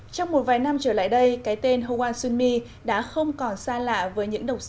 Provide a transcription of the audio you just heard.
trong một vài năm trở lại đây cái tên hoàng xuân my đã không còn xa lạ với những độc sản